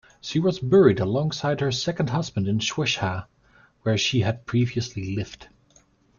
She was buried alongside her second husband in Swisha, where she had previously lived.